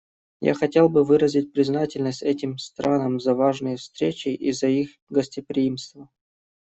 Я хотел бы выразить признательность этим странам за важные встречи и за их гостеприимство.